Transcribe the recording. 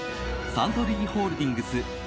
サントリーホールディングスＢＯＳＳ